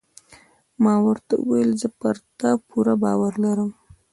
ما ورته وویل: زه پر تا پوره باور لرم.